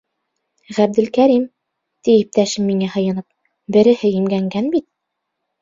— Ғәбделкәрим, — ти иптәшем, миңә һыйынып, — береһе имгәнгән бит.